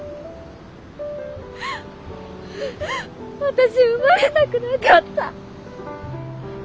私生まれたくなかった。